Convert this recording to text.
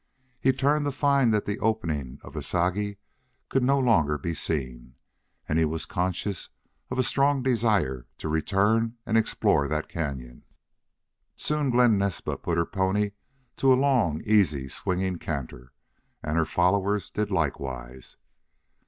He turned to find that the opening of the Sagi could no longer be seen, and he was conscious of a strong desire to return and explore that cañon. Soon Glen Naspa put her pony to a long, easy, swinging canter and her followers did likewise.